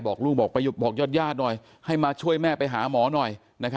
ลูกบอกญาติหน่อยให้มาช่วยแม่ไปหาหมอหน่อย